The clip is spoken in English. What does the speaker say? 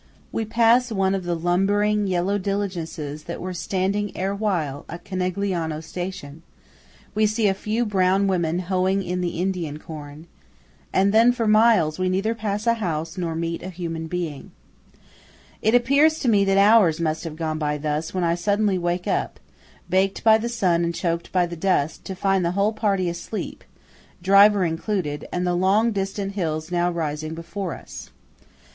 We pass one of the lumbering yellow diligences that were standing erewhile at Conegliano station; we see a few brown women hoeing in the Indian corn, and then for miles we neither pass a house nor meet a human being. It appears to me that hours must have gone by thus when I suddenly wake up, baked by the sun and choked by the dust, to find the whole party asleep, driver included, and the long distant hills now rising close before us.